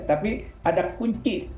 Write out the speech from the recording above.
tapi ada kunci